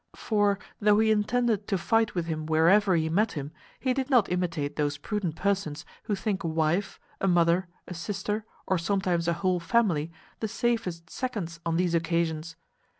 For, though he intended to fight with him wherever he met him, he did not imitate those prudent persons who think a wife, a mother, a sister, or sometimes a whole family, the safest seconds on these occasions.